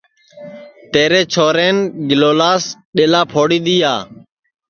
تیرے چھورین گیلولاس ڈؔیلا پھوڑی دؔیا